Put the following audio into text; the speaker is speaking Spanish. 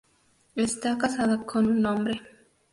Está casada con un hombre.